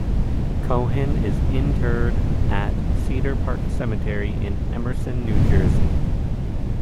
Cohen is interred at Cedar Park Cemetery, in Emerson, New Jersey.